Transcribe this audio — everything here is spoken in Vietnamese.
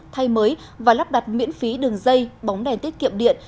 thay mới và lắp đặt miễn phí đường dây bóng đèn tiết kiệm điện